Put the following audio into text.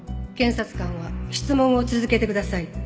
検察官は質問を続けてください。